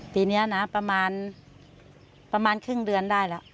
ปีนี้นะประมาณครึ่งเดือนได้แล้ว